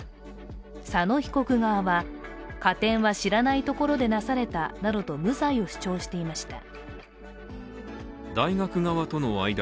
佐野被告側は、加点は知らないところでなされたなどと無罪を主張していました。